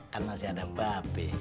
kan masih ada mbak be